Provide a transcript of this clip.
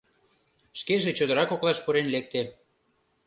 Шкеже чодыра коклаш пурен лекте.